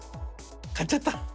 買っちゃった！